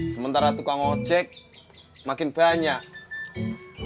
sementara tukang ojek makin banyak